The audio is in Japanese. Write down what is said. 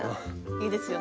いいですよね。